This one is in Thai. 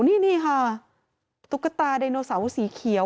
นี่ค่ะตุ๊กตาไดโนเสาร์สีเขียว